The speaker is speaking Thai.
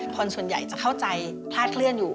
คนส่วนใหญ่จะเข้าใจคลาดเคลื่อนอยู่